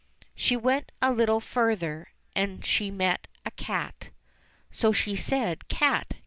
She went a little further, and she met a cat. So she said, "Cat